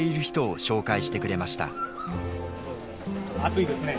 暑いですね。